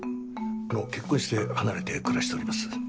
もう結婚して離れて暮らしております。